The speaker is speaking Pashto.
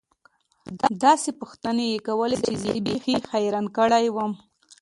داسې پوښتنې يې کولې چې زه يې بيخي حيران کړى وم.